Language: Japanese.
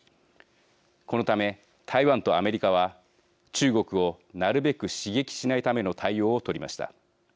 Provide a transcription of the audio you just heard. このため、台湾とアメリカは中国をなるべく刺激しないための対応を取りました。